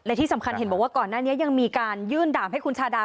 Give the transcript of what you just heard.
และที่สำคัญเห็นบอกว่าก่อนหน้านี้ยังมีการยื่นด่ามให้คุณชาดา